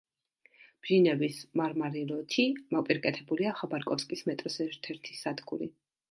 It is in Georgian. ბჟინევის მარმარილოთი მოპირკეთებულია ხაბაროვსკის მეტროს ერთ-ერთი სადგური.